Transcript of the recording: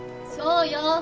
そうよ。